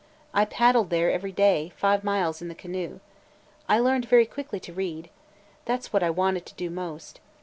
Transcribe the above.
I paddled there every day, five miles in the canoe. I learned very quickly to read. That 's what I wanted to do most.